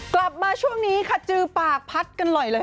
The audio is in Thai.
กลับมาช่วงนี้ค่ะจือปากพัดกันหน่อยเลยค่ะ